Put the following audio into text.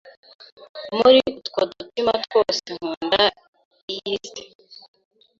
Muri utwo dutsima twose nkunda iyist.